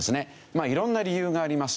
まあいろんな理由があります。